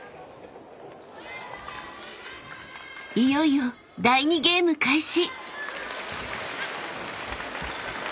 ［いよいよ第２ゲーム開始］